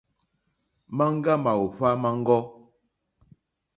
Maŋga màòhva maŋgɔ.